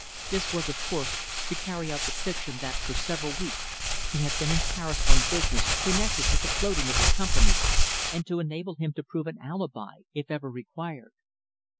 This was, of course, to carry out the fiction that for several weeks he had been in Paris on business connected with the floating of the company, and to enable him to prove an alibi if ever required.